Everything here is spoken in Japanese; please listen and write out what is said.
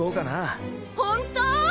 本当！？